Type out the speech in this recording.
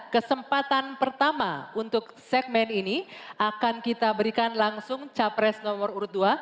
kesempatan pertama untuk segmen ini akan kita berikan langsung capres nomor urut dua